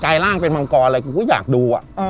กายร่างเป็นมังกรอะไรกูก็อยากดู